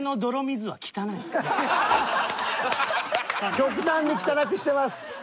極端に汚くしてます。